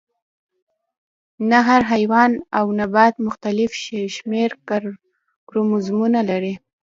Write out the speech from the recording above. نه هر حیوان او نبات مختلف شمیر کروموزومونه لري